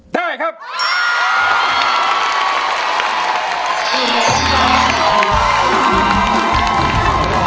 และเพลงที่๕๐๐๐บาทนะครับ